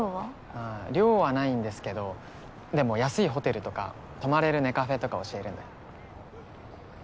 ああ寮はないんですけどでも安いホテルとか泊まれるネカフェとか教えるんで。